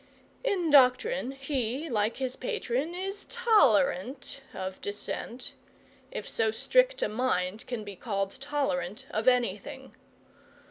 In doctrine, he, like his patron, is tolerant of dissent, if so strict a mind can be called tolerant of anything.